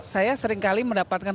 saya seringkali mendapatkan